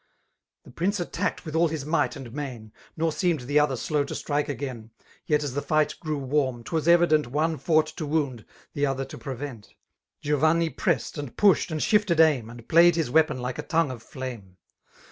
The prince attacked with all his might and main» Nor seemed the other slow to strike again ^ Yet as the fight grew warm, 'twas evident^ One fought to wounds the olher to prevent : €^iovanni pressed^ and pushed^ and shifted aim> And played his weapon like a tongue of flame